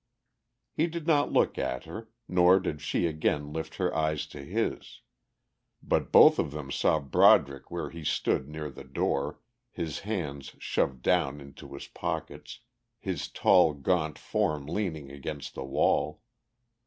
He did not look at her, nor did she again lift her eyes to his. But both of them saw Broderick where he stood near the door, his hands shoved down into his pockets, his tall, gaunt form leaning against the wall.